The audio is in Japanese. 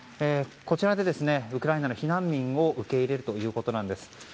こちらでウクライナの避難民を受け入れるということなんです。